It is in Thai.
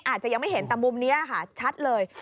อาจจะยังไม่เห็นแต่มุมนี้ค่ะชัดเลย